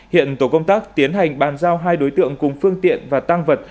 hiện tổ công tác tiến hành bàn giao hai đối tượng cùng phương tiện và tăng vật